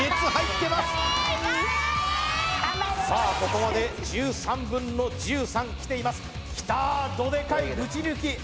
ここまで１３分の１３きていますきたーどでかいぶち抜き